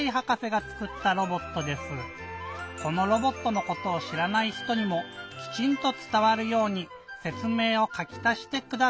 このロボットのことをしらない人にもきちんとつたわるようにせつめいをかき足してください。